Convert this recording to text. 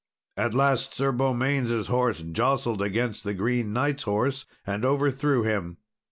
At last, Sir Beaumains' horse jostled against the Green Knight's horse, and overthrew him.